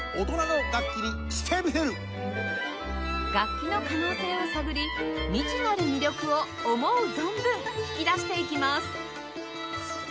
楽器の可能性を探り未知なる魅力を思う存分引き出していきます